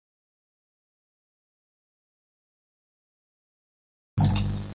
Nell es amiga de la actriz británica Alexandra Dowling.